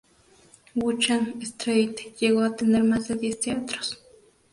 Wuchang Street llegó a tener más de diez teatros.